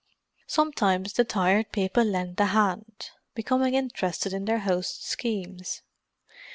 Sometimes the Tired People lent a hand, becoming interested in their hosts' schemes.